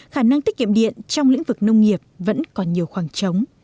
khả năng tiết kiệm điện trong lĩnh vực nông nghiệp vẫn còn nhiều khoảng trống